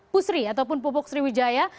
pusri ataupun pupuk sriwijaya